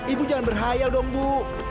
ibu jangan berkhayal dong ibu